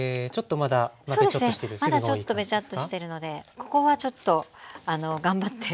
まだちょっとべちゃっとしてるのでここはちょっと頑張って潰して下さい。